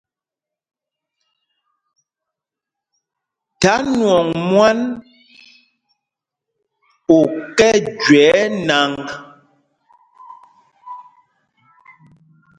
Tha nwɔŋ mwân u kɛ́ jüe ɛ́ nǎŋg.